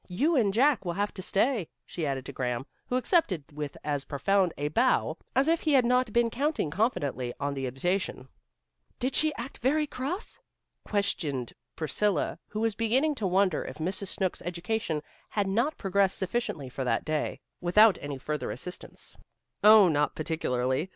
You and Jack will have to stay," she added to Graham, who accepted with as profound a bow as if he had not been counting confidently on the invitation. "Did she act very cross?" questioned Priscilla, who was beginning to wonder if Mrs. Snooks' education had not progressed sufficiently for that day, without any further assistance. "Oh, not particularly.